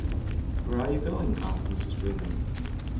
" Where are you going? " asked Mrs. Brigham.